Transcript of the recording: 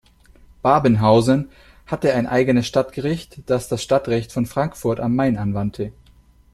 Babenhausen hatte ein eigenes Stadtgericht, das das Stadtrecht von Frankfurt am Main anwandte.